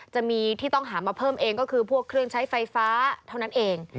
จะมีที่ต้องหามาเพิ่มเองก็คือพวกเครื่องใช้ไฟฟ้าเท่านั้นเอง